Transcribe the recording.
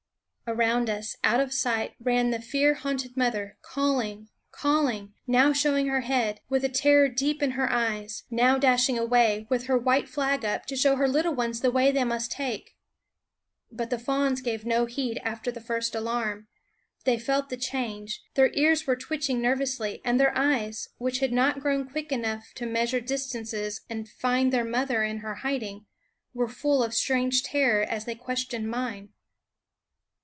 Around us, out of sight, ran the fear haunted mother, calling, calling; now showing her head, with the terror deep in her eyes; now dashing away, with her white flag up, to show her little ones the way they must take. But the fawns gave no heed after the first alarm. They felt the change; their ears were twitching nervously, and their eyes, which had not yet grown quick enough to measure distances and find their mother in her hiding, were full of strange terror as they questioned mine.